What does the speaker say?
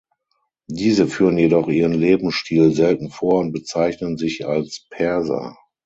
Diese führen jedoch ihren Lebensstil selten vor und bezeichnen sich als „Perser“.